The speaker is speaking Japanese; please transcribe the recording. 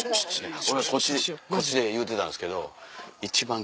俺こっちで言うてたんですけど。